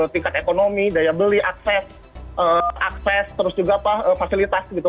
tingkat ekonomi daya beli akses terus juga fasilitas gitu